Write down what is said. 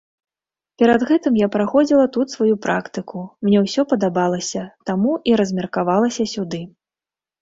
Перад гэтым я праходзіла тут сваю практыку, мне ўсё падабалася, таму і размеркавалася сюды.